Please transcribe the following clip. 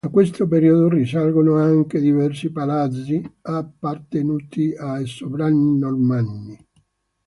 A questo periodo risalgono anche diversi palazzi appartenuti ai sovrani normanni.